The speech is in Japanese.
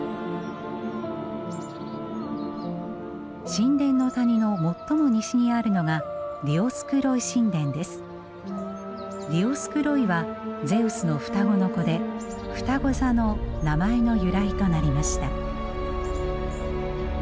神殿の谷の最も西にあるのがディオスクロイはゼウスの双子の子でふたご座の名前の由来となりました。